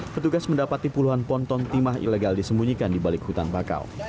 petugas mendapati puluhan ponton timah ilegal disembunyikan di balik hutan bakau